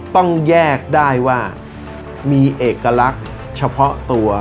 ต้องแยกได้ว่ามีเอกลักษณ์เฉพาะตัว